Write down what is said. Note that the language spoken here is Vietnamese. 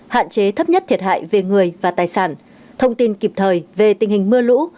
hạn chế thấp nhất thiệt hại về người và tài sản thông tin kịp thời về tình hình mưa lũ